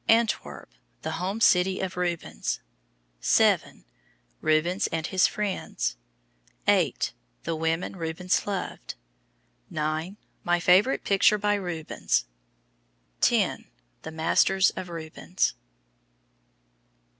Antwerp, the Home City of Rubens. 7. Rubens and His Friends. 8. The Women Rubens Loved. 9. My Favorite Picture by Rubens. 10. The Masters of Rubens.